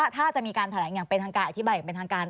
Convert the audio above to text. ถ้าจะมีการแถลงอย่างเป็นทางการอธิบายอย่างเป็นทางการ